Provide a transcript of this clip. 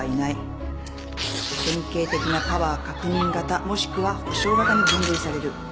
典型的なパワー確認型もしくは補償型に分類される。